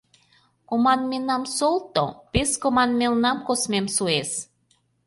Команмелнам солто: пес команмелнам космем суэс...